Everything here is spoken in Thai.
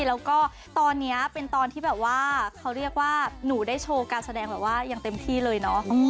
แล้วก็ตอนนี้เป็นตอนที่แบบว่าเขาเรียกว่าหนูได้โชว์การแสดงแบบว่าอย่างเต็มที่เลยเนาะ